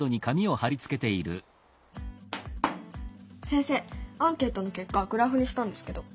先生アンケートの結果グラフにしたんですけど。